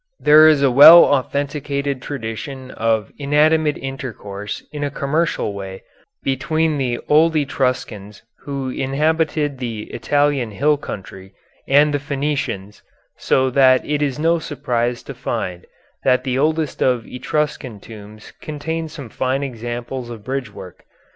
There is a well authenticated tradition of intimate intercourse in a commercial way between the old Etruscans who inhabited the Italian hill country and the Phenicians, so that it is no surprise to find that the oldest of Etruscan tombs contain some fine examples of bridgework.